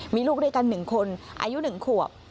มีลูกด้วยกัน๑คนอายุ๑ขวบ